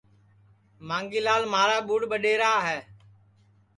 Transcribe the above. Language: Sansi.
مانگھی لال مھارا ٻُڈؔ ٻڈؔئرا ہے